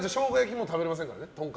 もう食べられませんからね。